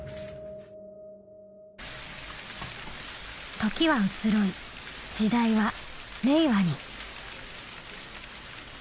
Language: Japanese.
時は移ろい時代は令和に。